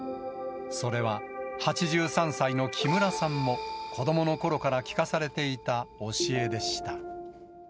それは、８３歳の木村さんも子どものころから聞かされていた教えでした。